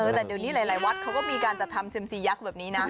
แต่เดี๋ยวนี้หลายวัดเขาก็มีการจัดทำเซ็มซียักษ์แบบนี้นะ